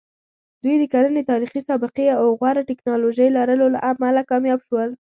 دوی د کرنې تاریخي سابقې او غوره ټکنالوژۍ لرلو له امله کامیاب شول.